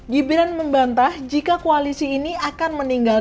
gibran membantah jika koalisi ini akan meninggalkan